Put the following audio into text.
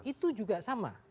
itu juga sama